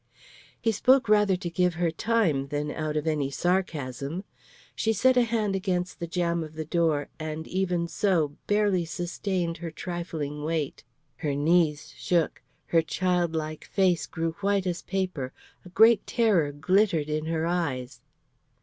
He spoke rather to give her time than out of any sarcasm. She set a hand against the jamb of the door, and even so barely sustained her trifling weight. Her knees shook, her childlike face grew white as paper, a great terror glittered in her eyes.